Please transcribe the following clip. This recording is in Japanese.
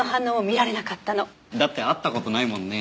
だって会った事ないもんね。